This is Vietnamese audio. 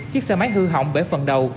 chiếc xe máy hư hỏng bể phần đầu